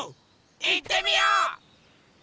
いってみよう！